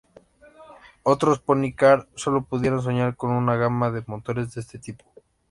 Otros Pony Car solo pudieron soñar con una gama de motores de este tipo.